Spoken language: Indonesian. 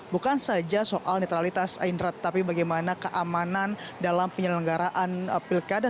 bukan saja soal netralitas indra tetapi bagaimana keamanan dalam penyelenggaraan pilkada